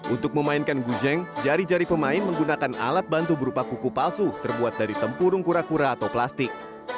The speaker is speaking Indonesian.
untuk memainkan gujeng jari jari pemain menggunakan alat bantu berupa kuku palsu terbuat dari tempurung kura kura atau plastik